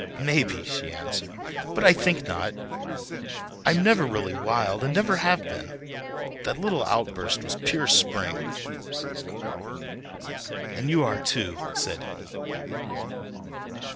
"Maybe," she answered; "but I think not. I'm never really wild and never have been. That little outburst was pure spring." "And you are, too," said he.